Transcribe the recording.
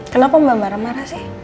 kenapa mbak marah marah sih